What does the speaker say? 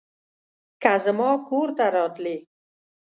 که زما کور ته راتلې